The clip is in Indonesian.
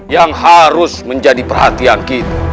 yang harus menjadi perhatian kita